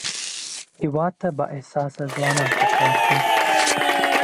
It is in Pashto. هېواد ته بااحساسه ځوانان پکار دي